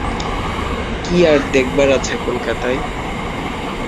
কী আর দেখবার আছে কলকাতায়?